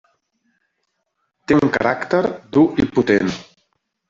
Té un caràcter dur i potent.